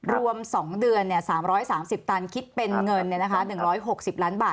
รวม๒เดือนเนี่ย๓๓๐ตันคิดเป็นเงินเนี่ยนะคะ๑๖๐ล้านบาท